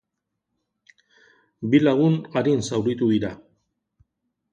Bi lagun arin zauritu dira.